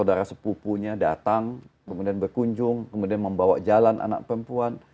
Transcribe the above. saudara sepupunya datang kemudian berkunjung kemudian membawa jalan anak perempuan